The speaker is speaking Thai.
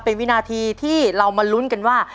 เป็นวินาทีที่เรามาลุ้นกันว่า